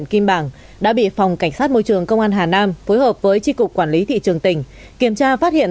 kim bảng đã bị phòng cảnh sát môi trường công an hà nam phối hợp với tri cục quản lý thị trường tỉnh kiểm tra phát hiện